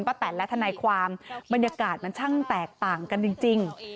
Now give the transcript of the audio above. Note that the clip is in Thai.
แตนและทนายความบรรยากาศมันช่างแตกต่างกันจริง